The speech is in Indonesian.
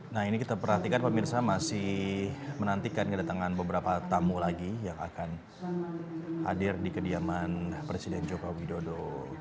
nah ini kita perhatikan pemirsa masih menantikan kedatangan beberapa tamu lagi yang akan hadir di kediaman presiden joko widodo